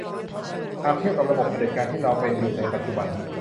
หากเทียบกับระบบเผด็จการที่เราเป็นอยู่ในปัจจุบัน